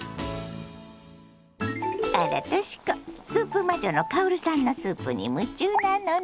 あらとし子スープ魔女の薫さんのスープに夢中なのね。